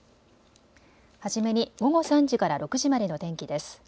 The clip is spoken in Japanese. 初めに午後３時から６時までの天気です。